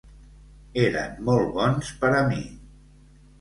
Eren molt bons per a mi.